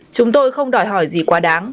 chúng tôi không đòi hỏi gì quá đáng